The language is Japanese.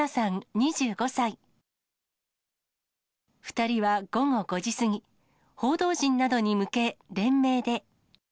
２人は午後５時過ぎ、報道陣などに向け、連名で。